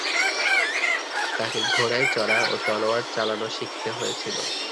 তাকে ঘোড়ায় চড়া ও তলোয়ার চালানো শিখতে হয়েছিল।